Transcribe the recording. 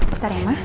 bentar ya ma